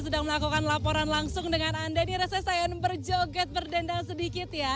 sedang melakukan laporan langsung dengan anda ini reses saya berjoget berdendam sedikit ya